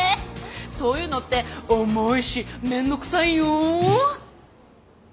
そういうのって重いし面倒くさいよ。